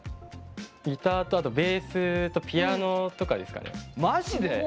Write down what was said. ギターとベースとピアノとかですかね。